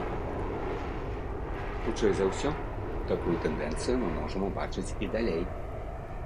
Хутчэй за ўсё, такую тэндэнцыю мы можам убачыць і далей.